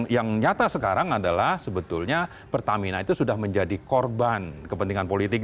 yang nyata sekarang adalah sebetulnya pertamina itu sudah menjadi korban kepentingan politik